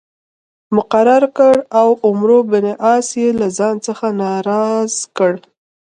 مقرر کړ او عمرو بن عاص یې له ځان څخه ناراض کړ.